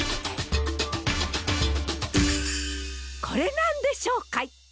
これなんでしょうかい？